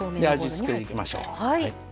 味付けにいきましょう。